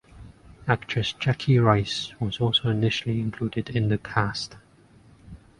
Actress Jackie Rice was also initially included in the cast.